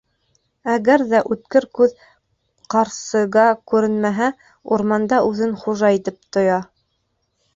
Әгәр ҙә Үткер күҙ Ҡарсыга күренмәһә, урманда үҙен хужа итеп тоя.